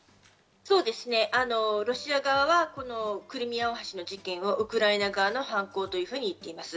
そうですね、ロシア側はこのクリミア大橋の事件をウクライナ側の犯行と言っています。